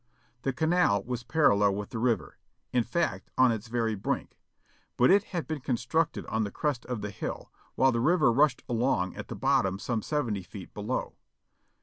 The canal was parallel with the river, in fact on its very brink ; but it had been constructed on the crest of the hill, while the river rushed along at the bottom some seventy feet below.